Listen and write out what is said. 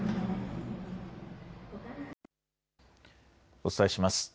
お伝えします。